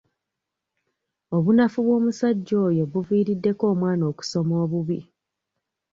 Obunafu bw'omusajja oyo buviiriddeko omwana okusoma obubi.